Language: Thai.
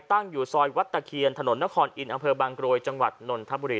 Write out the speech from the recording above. ตั้งอยู่ซอยวัดตะเคียนถนนนครอินอำเภอบางกรวยจังหวัดนนทบุรี